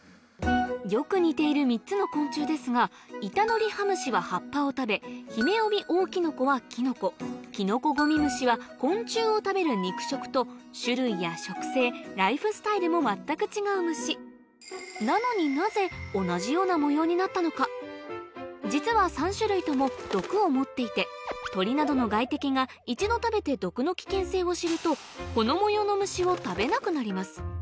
よく似ている３つの昆虫ですがイタドリハムシは葉っぱを食べヒメオビオオキノコはキノコキノコゴミムシは昆虫を食べる肉食と種類や食性ライフスタイルも全く違う虫なのに実は３種類とも毒を持っていて鳥などの外敵が一度食べて毒の危険性を知るとこの模様の虫を食べなくなります